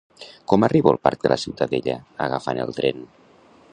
Com arribo al Parc de la Ciutadella agafant el tren?